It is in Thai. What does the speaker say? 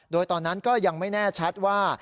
โดยตอนนั้นก็ยังไม่แน่ชัดว่า